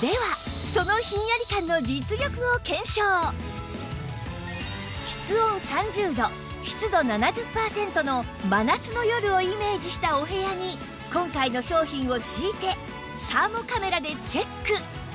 ではその室温３０度湿度７０パーセントの真夏の夜をイメージしたお部屋に今回の商品を敷いてサーモカメラでチェック